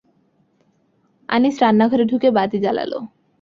আনিস রান্নাঘরে ঢুকে বাতি জ্বালাল।